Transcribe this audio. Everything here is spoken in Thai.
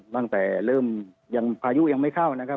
ตั้งแต่เริ่มยังพายุยังไม่เข้านะครับ